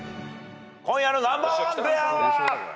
今夜のナンバーワンペアは。